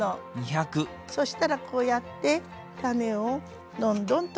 そしたらこうやって種をどんどん取っちゃって。